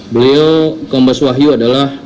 beliau kombo swahyu adalah